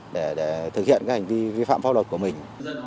để thực hiện các hành vi vi phạm pháp luật của mình